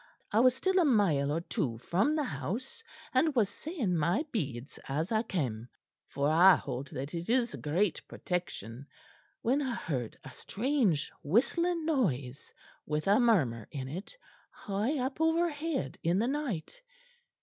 I was still a mile or two from the house, and was saying my beads as I came, for I hold that is a great protection; when I heard a strange whistling noise, with a murmur in it, high up overhead in the night.